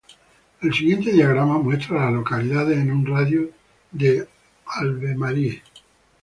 El siguiente diagrama muestra a las localidades en un radio de de Albemarle.